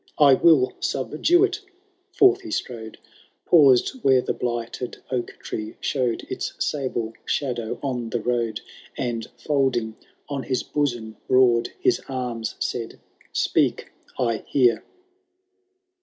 ^ I will subdue it ! "—Forth he strode, Paused where the blighted oak tree show'd Its sable shadow on the road. And, folding on his bosom broad His arms, said, « Speak— I hear."